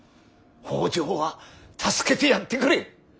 北条は助けてやってくれ。